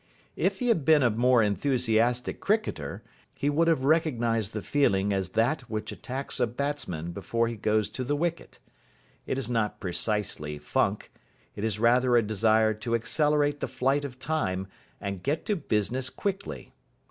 If he had been a more enthusiastic cricketer, he would have recognised the feeling as that which attacks a batsman before he goes to the wicket. It is not precisely funk. It is rather a desire to accelerate the flight of Time, and get to business quickly.